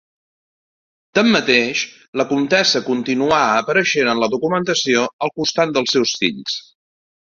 Tanmateix, la comtessa continuà apareixent en la documentació al costat dels seus fills.